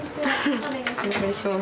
お願いします。